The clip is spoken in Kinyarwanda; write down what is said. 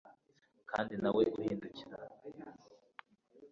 kandi nta we uhindukira